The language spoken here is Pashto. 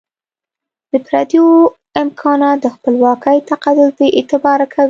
د پردیو امکانات د خپلواکۍ تقدس بي اعتباره کوي.